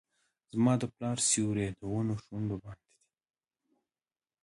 زما د پلار سیوري ، د ونو شونډو باندې